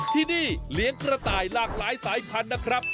ที่นี่เลี้ยงกระต่ายหลากหลายสายพันธุ์นะครับ